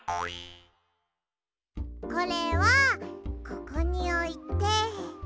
これはここにおいて。